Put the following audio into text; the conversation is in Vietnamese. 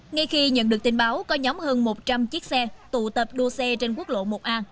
ngay khi nhận được tin báo có nhóm hơn một trăm linh chiếc xe tụ tập đua xe trên quốc lộ một a